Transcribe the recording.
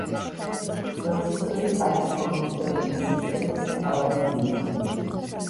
პროცესორი არის კომპიუტერული სისტემის მთავარი ბირთვი.